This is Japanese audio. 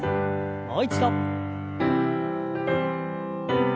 もう一度。